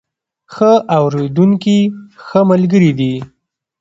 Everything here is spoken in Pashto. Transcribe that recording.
ښه اورېدونکي ښه ملګري دي.